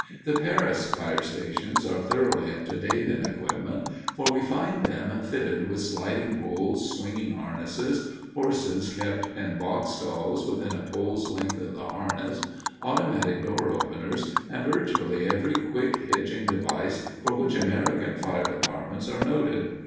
The Paris fire stations are thoroughly up to date in equipment, for we find them fitted with sliding poles, swinging harness, horses kept in box stalls within a pole's length of the harness, automatic door openers, and virtually every quick hitching device for which American fire departments are noted.